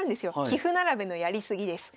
棋譜並べのやり過ぎです。